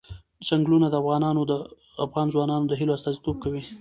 چنګلونه د افغان ځوانانو د هیلو استازیتوب کوي.